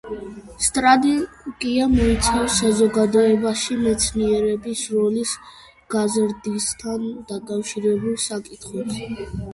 სტრატეგია მოიცავს საზოგადოებაში მეცნიერების როლის გაზრდასთან დაკავშირებულ საკითხებს.